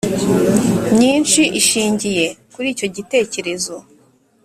myinshi ishingiye kuri icyo gitekerezo